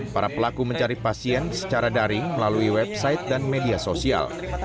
para pelaku mencari pasien secara daring melalui website dan media sosial